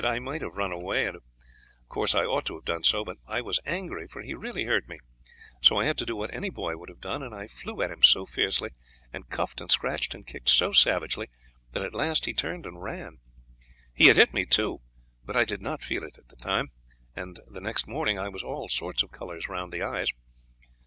I might have run away, and of course I ought to have done so, but I was angry, for he really hurt me; so I had to do what any boy would have done, and I flew at him so fiercely, and cuffed and scratched and kicked so savagely that at last he turned and ran. He had hit me too, but I did not feel it at the time, and next morning I was all sorts of colours round the eyes.